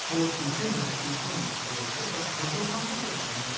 丁寧な説明もそうなんですが漁業関係者ですよね。